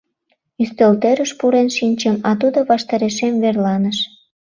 Ӱстелтӧрыш пурен шинчым, а тудо ваштарешем верланыш.